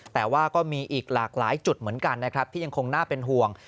แต่ว่าก็มีอีกหลากหลายจุดเหมือนกันนะครับที่ยังคงน่าเป็นห่วง